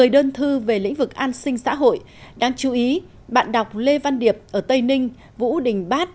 một mươi đơn thư về lĩnh vực an sinh xã hội đáng chú ý bạn đọc lê văn điệp ở tây ninh vũ đình bát